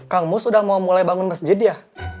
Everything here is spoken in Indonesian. kamu sudah mau mulai bangun masjid ya